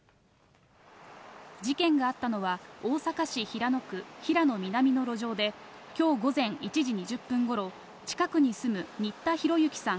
事件があったのは、大阪市平野区平野南の路上で、きょう午前１時２０分ごろ、近くに住む新田浩之さん